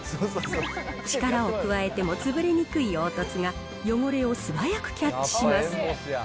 力を加えても潰れにくい凹凸が汚れを素早くキャッチします。